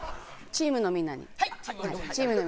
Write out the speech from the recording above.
「チームのみんなに」。